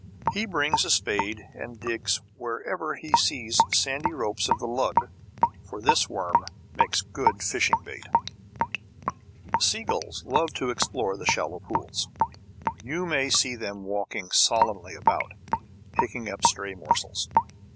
He brings a spade and digs wherever he sees the sandy ropes of the "lug," for this worm makes good fishing bait. Seagulls love to explore the shallow pools. You may see them walking solemnly about, picking up stray morsels.